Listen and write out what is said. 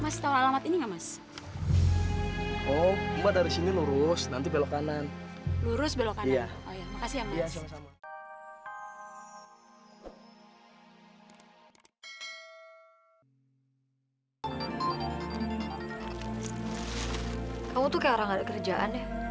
sampai jumpa di video selanjutnya